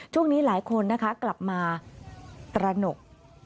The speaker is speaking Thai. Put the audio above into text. ช่วงนี้หลายคนนะคะกลับมาตระหนก